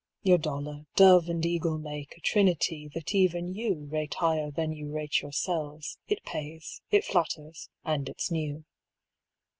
"Your Dollar, Dove and Eagle make A Trinity that even you Rate higher than you rate yourselves; It pays, it flatters, and it's new.